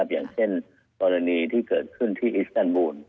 อย่างเช่นกรณีที่เกิดขึ้นที่อิสแตนบูล